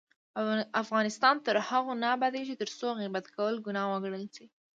افغانستان تر هغو نه ابادیږي، ترڅو غیبت کول ګناه وګڼل شي.